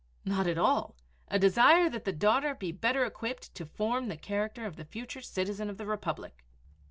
Not at all a desire that the daughter be better equipped to "form the character of the future citizen of the Republic."